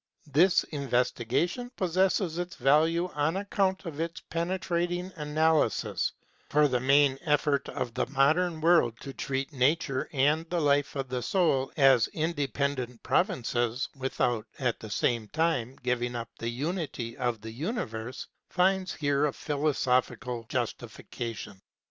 This investigation pos sesses its value on account of its penetrating analysis; for the main effort of the modern world to treat Nature and the Life of the Soul as independent provinces, without, at the same time, giving up the unity of the uni verse, finds here a philosophical justification.